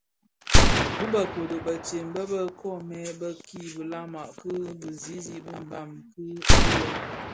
Di bë kodo bëtsem bë bë koomè bèè ki bilama ki bizizig bi Mbam kidhilè,